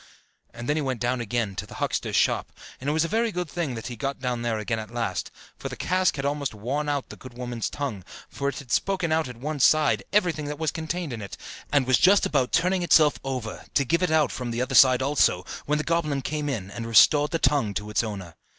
And then he went down again to the huckster's shop: and it was a very good thing that he got down there again at last, for the cask had almost worn out the good woman's tongue, for it had spoken out at one side everything that was contained in it, and was just about turning itself over, to give it out from the other side also, when the goblin came in, and restored the tongue to its owner.